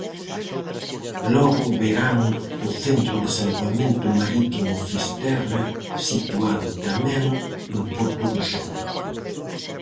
Logo verán o centro de Salvamento Marítimo Fisterra, situado tamén en Porto do Son.